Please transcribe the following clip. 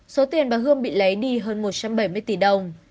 số tiền bà hương bị lấy đi hơn một trăm bảy mươi tỷ đồng